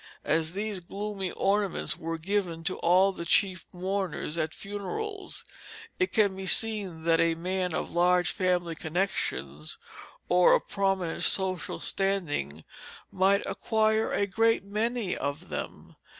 As these gloomy ornaments were given to all the chief mourners at funerals, it can be seen that a man of large family connections, or of prominent social standing, might acquire a great many of them.